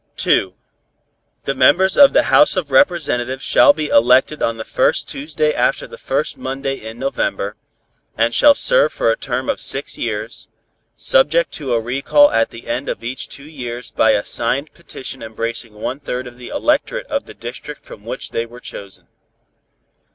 ] 2. The members of the House of Representatives shall be elected on the first Tuesday after the first Monday in November, and shall serve for a term of six years, subject to a recall at the end of each two years by a signed petition embracing one third of the electorate of the district from which they were chosen.